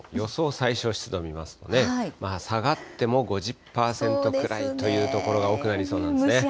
最小湿度を見ますとね、下がっても５０％くらいという所が多くなりそうなんですね。